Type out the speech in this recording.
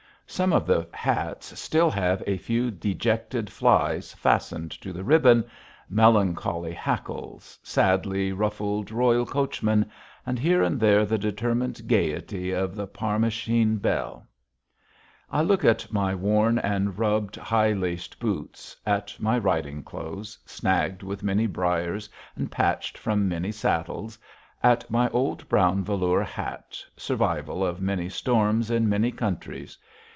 Some of the hats still have a few dejected flies fastened to the ribbon, melancholy hackles, sadly ruffled Royal Coachmen, and here and there the determined gayety of the Parmachene Belle. I look at my worn and rubbed high laced boots, at my riding clothes, snagged with many briers and patched from many saddles, at my old brown velours hat, survival of many storms in many countries.